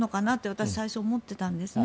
私、最初思ってたんです。